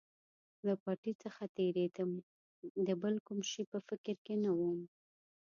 له پټۍ څخه تېرېدم، د بل کوم شي په فکر کې نه ووم.